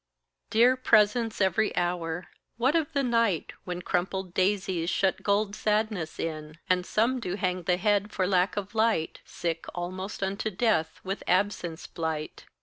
"Dear presence every hour"! what of the night, When crumpled daisies shut gold sadness in; And some do hang the head for lack of light, Sick almost unto death with absence blight?